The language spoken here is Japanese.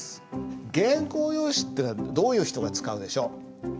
原稿用紙ってどういう人が使うでしょう？